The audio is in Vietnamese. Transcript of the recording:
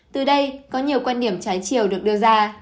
từ đây có nhiều quan điểm trái chiều được đưa ra